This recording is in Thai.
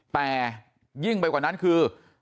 แต่ยิ่งไปกว่านั้นคือ